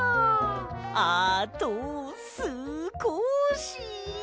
あとすこし！